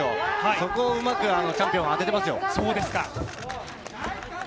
そこをうまくチャンピオン、当ててますよ。